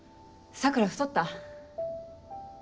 桜太った？